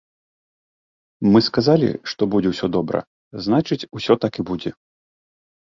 Мы сказалі, што будзе ўсё добра, значыць усё так і будзе!